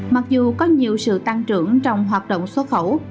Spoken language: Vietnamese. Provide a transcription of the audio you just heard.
mặc dù có nhiều sự tăng trưởng trong hoạt động xuất khẩu